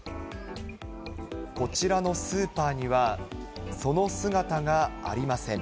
こちらのスーパーには、その姿がありません。